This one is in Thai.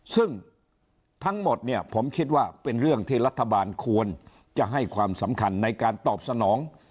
ซึ่งทั้งหมดเนี่ยผมคิดว่าเป็นเรื่องที่รัฐบาลควรจะให้ความสำคัญในการตอบสนอง